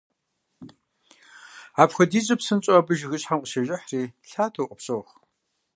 Апхуэдизу псынщӏэу абы жыгыщхьэм къыщежыхьри, лъатэу къыпщохъу.